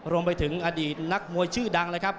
รวมไปถึงอดีตนักมวยชื่อดังเลยครับ